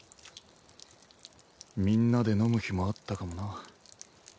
みんなで飲む日もあったかもな。